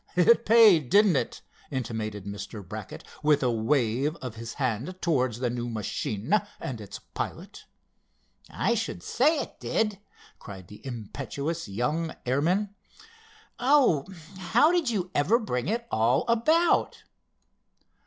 "It paid; didn't it?" intimated Mr. Brackett, with a wave of his hand towards the new machine and its pilot. "I should say it did!" cried the impetuous young airman. "Oh, how did you ever bring it all about?"